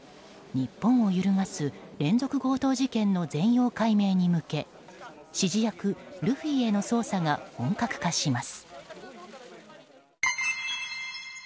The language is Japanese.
日本を揺るがす連続強盗事件の全容解明に向け指示役ルフィへの捜査が本格化します。